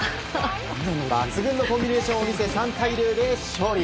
抜群のコンビネーションを見せ３対０で勝利。